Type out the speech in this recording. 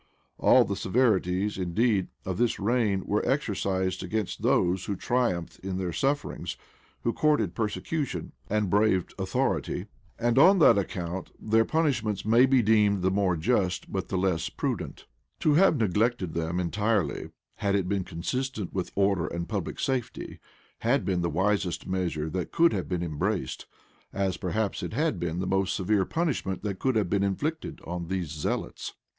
[] All the severities, indeed, of this reign were exercised against those who triumphed in their sufferings, who courted persecution, and braved authority; and on that account their punishment may be deemed the more just, but the less prudent. To have neglected them entirely, had it been consistent with order and public safety, had been the wisest measure that could have been embraced; as perhaps it had been the most severe punishment that could have been inflicted on these zealots.